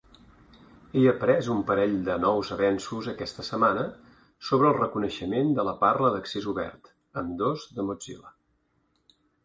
He après un parell de nous avenços aquesta setmana sobre el reconeixement de la parla d'accés obert, ambdós de Mozilla.